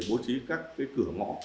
bố trí các cửa ngõ